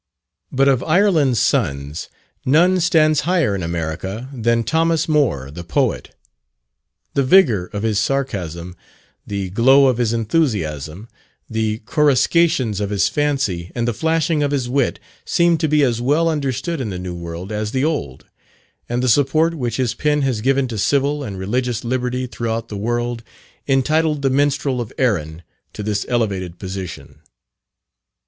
But of Ireland's sons, none stands higher in America than Thomas Moore, the Poet. The vigour of his sarcasm, the glow of his enthusiasm, the coruscations of his fancy, and the flashing of his wit, seem to be as well understood in the new world as the old; and the support which his pen has given to civil and religious liberty throughout the world, entitled the Minstrel of Erin to this elevated position.